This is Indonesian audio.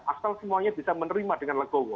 asal semuanya bisa menerima dengan legowo